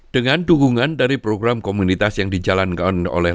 dengan dukungan dari program komunitas yang dijalankan oleh